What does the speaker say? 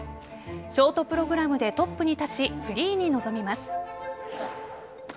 ショートプログラムでトップに立ちフリーに臨みます。